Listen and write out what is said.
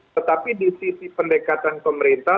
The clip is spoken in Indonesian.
tetapi di sisi pendekatan pemerintah